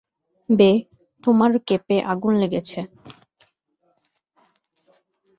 বে, তোমার কেপে আগুন লেগেছে।